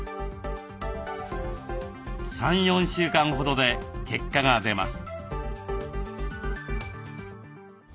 ３４週間ほどで結果が出ます。